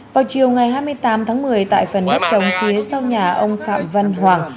vào chiều ngày hai mươi tám tháng một mươi tại phần đất chống phía sau nhà ông phạm văn hoàng